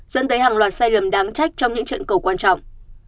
dẫn tới hàng loạt sai lầm đáng trách trong những trận cầu quan trọng